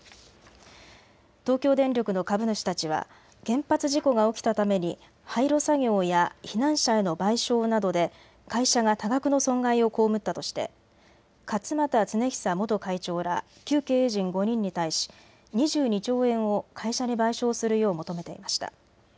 東京電力の株主たちは原発事故が起きたために廃炉作業や避難者への賠償などで会社が多額の損害を被ったとして勝俣恒久元会長ら旧経営陣５人に対し２２兆円を会社に賠償するよう求めていました。